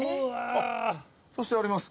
そしてあります